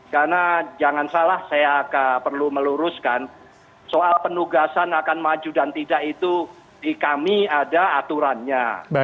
karena jangan salah saya perlu meluruskan soal penugasan akan maju dan tidak itu di kami ada aturannya